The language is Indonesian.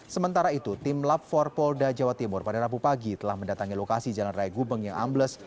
sementara itu tim lab empat polda jawa timur pada rabu pagi telah mendatangi lokasi jalan raya gubeng yang ambles